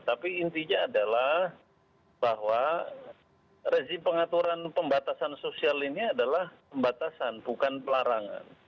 tapi intinya adalah bahwa rezim pengaturan pembatasan sosial ini adalah pembatasan bukan pelarangan